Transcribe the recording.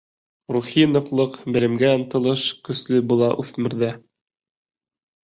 Рухи ныҡлыҡ, белемгә ынтылыш көслө була үҫмерҙә.